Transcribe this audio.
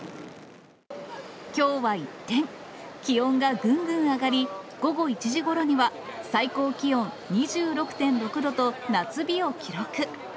きょうは一転、気温がぐんぐん上がり、午後１時ごろには最高気温２６．６度と夏日を記録。